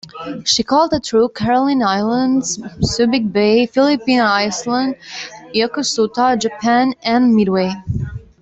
She called at Truk, Caroline Islands; Subic Bay, Philippine Islands; Yokosuka, Japan; and Midway.